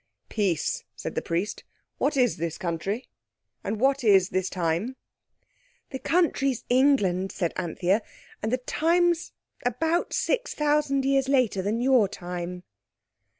_" "Peace," said the Priest. "What is this country? and what is this time?" "The country's England," said Anthea, "and the time's about 6,000 years later than your time."